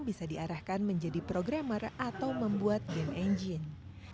bisa diarahkan menjadi programmer atau membuat game engine